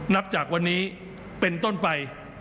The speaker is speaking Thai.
นับจากวันนี้เป็นต้นไป